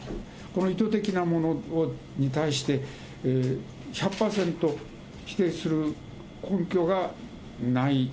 意図的なものに対して、１００％否定する根拠がない。